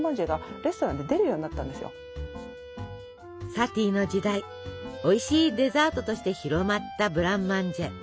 サティの時代おいしいデザートとして広まったブランマンジェ。